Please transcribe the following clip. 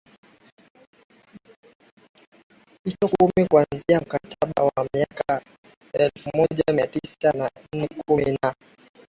hicho Kumi Kuanzia mkataba wa mwaka elfu moja mia tisa na nne kumi na